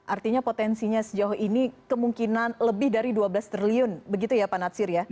artinya potensinya sejauh ini kemungkinan lebih dari dua belas triliun begitu ya pak natsir ya